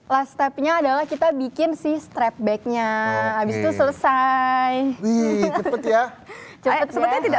last step nya adalah kita bikin sih strap bagnya habis selesai wih cepet ya cepet cepet tidak